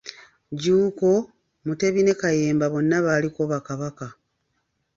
Jjuuko, Mutebi ne Kayemba bonna baaliko Bakabaka.